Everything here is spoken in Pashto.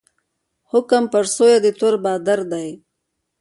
حکم پر سوی د تور بادار دی